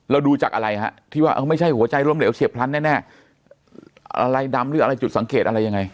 ดูจากอะไรฮะที่ว่าเออไม่ใช่หัวใจล้มเหลวเฉียบพลันแน่อะไรดำหรืออะไรจุดสังเกตอะไรยังไง